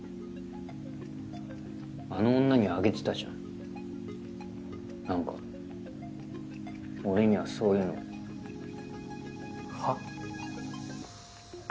あの女にはあげてたじゃんなんか俺にはそういうのはっ？